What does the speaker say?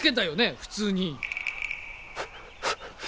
普通に。